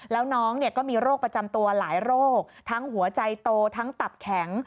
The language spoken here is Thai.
แล้วน้องก็มีโรคประจำตัวหลายโรคทั้งหัวใจโตทั้งตับแข็ง